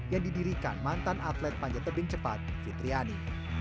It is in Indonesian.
yang didirikan mantan atlet panjat tebing cepat fitriani